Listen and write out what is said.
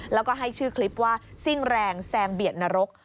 แล้วก็ให้ชื่อคลิปว่าซิ่งแรงแซงเบียดนรก